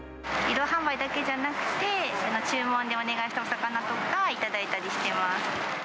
移動販売だけじゃなくて、注文でお願いしたお魚とか頂いたりしてます。